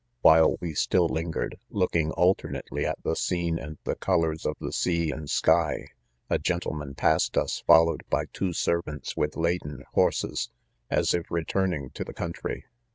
While we still lingered, looking alternately at the scene and the colors of the" sea and .sky, a gen tleman passed us followed by two servants with laden horses, as if returning to the coun try.